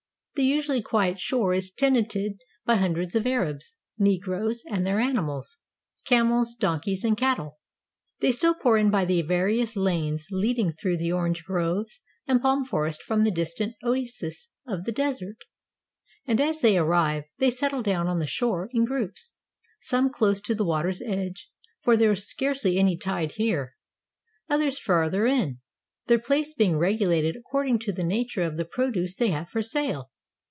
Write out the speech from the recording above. The usually quiet shore is tenanted by hundreds of Arabs, Negroes, and their animals; camels, donkeys, and cattle. They still pour in by the various lanes leading through the orange groves and palm forest from the distant oases of the desert; and as they arrive, they settle down on the shore in groups, some close to the water's edge, — for there is scarcely any tide here, — others farther in, their place being regulated according to the nature of the produce they have for sale.